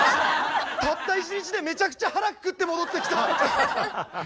たった一日でめちゃくちゃ腹くくって戻ってきた！